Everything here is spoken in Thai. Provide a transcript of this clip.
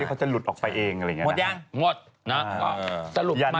ที่เค้าจะหลุดออกไปเองอะไรอย่างนี้